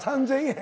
３，０００円。